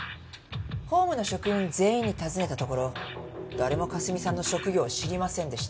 ホームの職員全員に尋ねたところ誰もかすみさんの職業を知りませんでした。